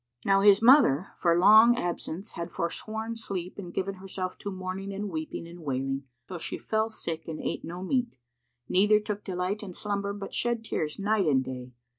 Now his mother, for long absence, had forsworn sleep and given herself to mourning and weeping and wailing, till she fell sick and ate no meat, neither took delight in slumber but shed tears night and day.